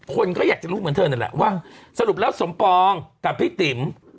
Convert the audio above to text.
คนก็อยากจะรู้เหมือนเธอนั่นแหละว่าสรุปแล้วสมปองกับพี่ติ๋ม